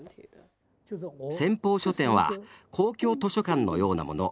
先鋒書店は公共図書館のようなもの。